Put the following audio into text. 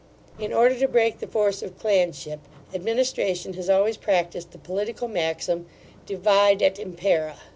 In order to break the force of clanship, administration has always practised the political maxim, Divide et impera.